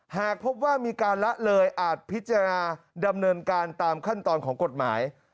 หากพบว่ามีการละเลยอาจพิจารณาดำเนินการตามขั้นตอนของกฎหมาย